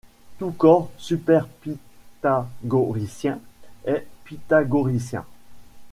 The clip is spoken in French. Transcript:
Tout corps superpythagoricien est pythagoricien.